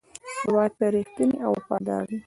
هېواد ته رښتینی او وفادار دی.